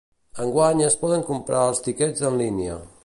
Enguany es poden comprar els tiquets en línia.